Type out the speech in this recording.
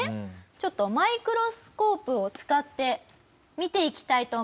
ちょっとマイクロスコープを使って見ていきたいと思います。